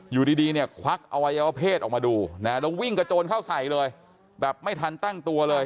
อยู่ดีเนี่ยควักอวัยวะเพศออกมาดูนะแล้ววิ่งกระโจนเข้าใส่เลยแบบไม่ทันตั้งตัวเลย